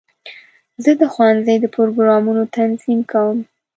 زه د ښوونځي د پروګرامونو تنظیم کوم.